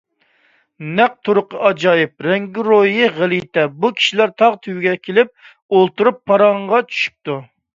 تەق - تۇرقى ئاجايىپ، رەڭگىرويى غەلىتە بۇ كىشىلەر تاغ تۈۋىگە كېلىپ ئولتۇرۇپ پاراڭغا چۈشۈپتۇ.